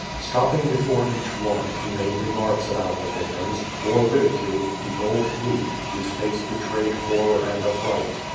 Stopping before each one, he made remarks about the vic tims, or ridiculed the old Greek, whose face betrayed horror and affright.